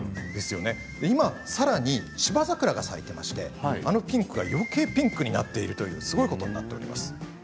今さらに芝桜が咲いていましてこのピンクがよけいピンクになっているとすごいことになっています。